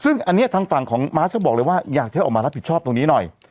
ซึ่งอันนี้ทางฝั่งของมาร์ชก็บอกเลยว่าอยากให้ออกมารับผิดชอบตรงนี้หน่อย